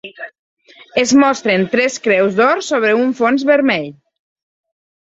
Es mostren tres creus d'or sobre un fons vermell.